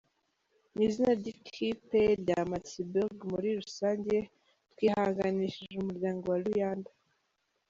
Mu izina ry’ikipe ya Maritzburg muri rusange, twihanganishije umuryango wa Luyanda.